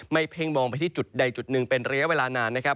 เพ่งมองไปที่จุดใดจุดหนึ่งเป็นระยะเวลานานนะครับ